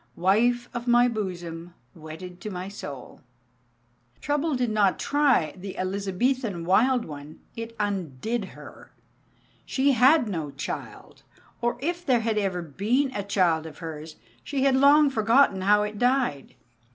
Wife of my bosom, wedded to my soul! Trouble did not "try" the Elizabethan wild one, it undid her. She had no child, or if there had ever been a child of hers, she had long forgotten how it died.